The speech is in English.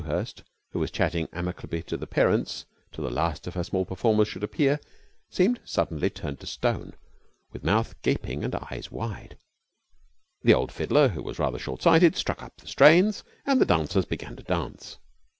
Miss Dewhurst, who was chatting amicably to the parents till the last of her small performers should appear, seemed suddenly turned to stone, with mouth gaping and eyes wide. The old fiddler, who was rather short sighted, struck up the strains, and the dancers began to dance.